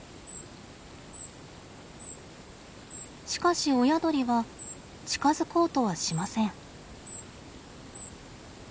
しかし親鳥は近づこうとはしません。